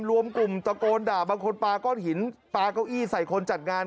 รวมกลุ่มตะโกนด่าบางคนปลาก้อนหินปลาเก้าอี้ใส่คนจัดงาน